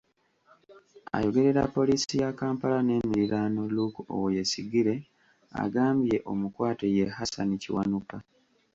Ayogerera Poliisi ya Kampala n'emiriraano Luke Owoyesigyire agambye omukwate ye Hassan Kiwanuka.